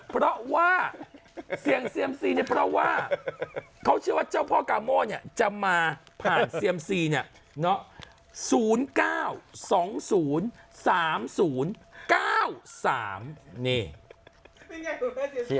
เพราะว่าเสี่ยงเซียมซีเนี่ยเพราะว่าเขาเชื่อว่าเจ้าพ่อกาโม่เนี่ยจะมาผ่านเซียมซีเนี่ยเนาะ๐๙๒๐๓๐๙๓นี่ไง